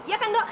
ya kan do